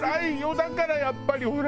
だからやっぱりほら。